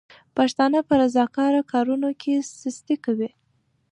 پښتانه په رضاکاره کارونو کې سستي کوي.